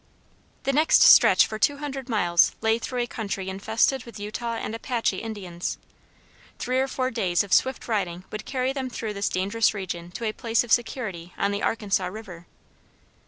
The next stretch for two hundred miles lay through a country infested with Utah and Apache Indians. Three or four days of swift riding would carry them through this dangerous region to a place of security on the Arkansas River.